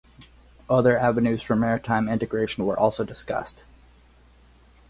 Other avenues for maritime integration were also discussed.